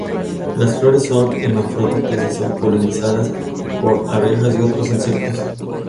Las flores son hermafroditas y son polinizadas por abejas y otros insectos.